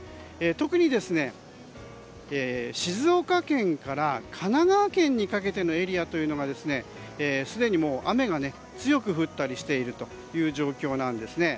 特に静岡県から神奈川県にかけてのエリアというのがすでに雨が強く降っていたりしている状況なんです。